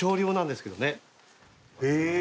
へえ！